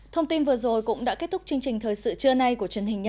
thông tin vừa rồi cũng đã kết thúc chương trình thời sự trưa nay của truyền hình nhân dân